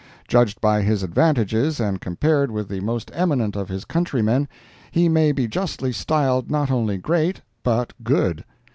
Judged by his advantages and compared with the most eminent of his countrymen he may be justly styled not only great, but good.